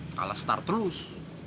kalah star terus